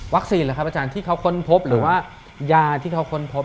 วัคซีนหรือครับอาจารย์ที่เขาค้นพบ